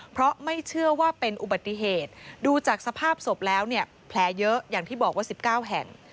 เพราะไม่เชื่อว่าเป็นอุบัติเหตุดูจากสภาพศพแล้วเนี่ยแผลเยอะอย่างที่บอกว่า๑๙แห่ง